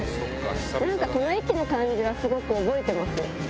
この駅の感じはすごく覚えてます。